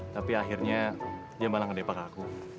tapi akhirnya dia malah ngedepak aku